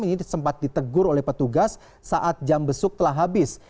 ini sempat ditegur oleh petugas saat jam besuk telah habis